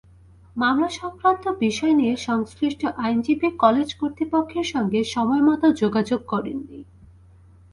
মামলাসংক্রান্ত বিষয় নিয়ে সংশ্লিষ্ট আইনজীবী কলেজ কর্তৃপক্ষের সঙ্গে সময়মতো যোগাযোগ করেননি।